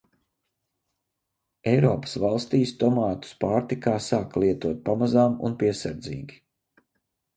Eiropas valstīs tomātus pārtikā sāka lietot pamazām un piesardzīgi.